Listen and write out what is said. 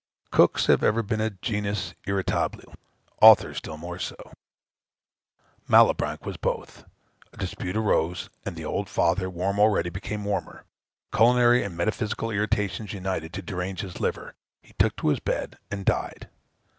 Cooks have ever been a genus irritabile; authors still more so: Malebranche was both: a dispute arose; the old father, warm already, became warmer; culinary and metaphysical irritations united to derange his liver: he took to his bed, and died.